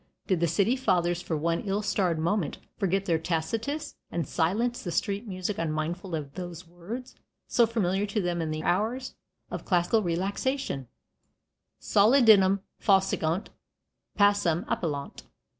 Did the city fathers for one ill starred moment forget their Tacitus, and silence the street music unmindful of those words, so familiar to them in their hours of classic relaxation Solitudinem faciunt, pacem appellant?